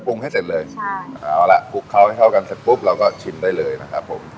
ใช่เอาละคลุกเข้าให้เข้ากันเสร็จปุ๊บเราก็ชิมได้เลยนะครับผม